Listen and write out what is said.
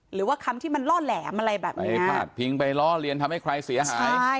หรือว่าคำที่มันล่อแหลมอะไรแบบนี้ไปพาดพิงไปล่อเลียนทำให้ใครเสียหายใช่